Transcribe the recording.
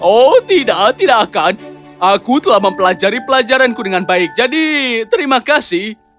oh tidak tidak akan aku telah mempelajari pelajaranku dengan baik jadi terima kasih